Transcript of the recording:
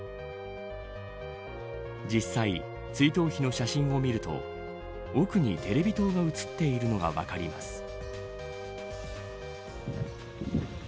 実際、追悼碑の写真を見ると奥にテレビ塔が写っているのが分かります。